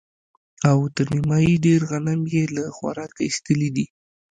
او تر نيمايي ډېر غنم يې له خوراکه ايستلي دي.